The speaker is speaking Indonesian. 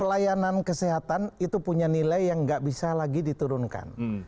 pelayanan kesehatan itu punya nilai yang nggak bisa lagi diturunkan